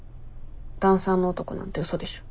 ダンサーの男なんて嘘でしょ。